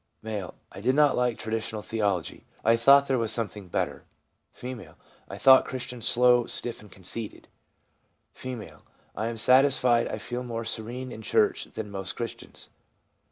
M. 1 1 did not like traditional theology ; I felt there was something better.' F. * I thought Christians slow, stiff and conceited.' F. ' I am satisfied I feel more serene in church than most Christians.'